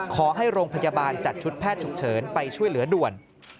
ขอให้โรงพยาบาลจัดชุดแพทย์ฉุกเฉินไปช่วยเหลือด่วน